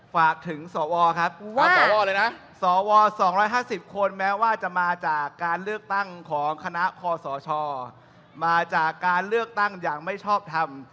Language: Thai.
ฝากถึงสวครับฝากสวเลยนะสว๒๕๐คนแม้ว่าจะมาจากการเลือกตั้งของคณะคอสชมาจากการเลือกตั้งอย่างไม่ชอบทำ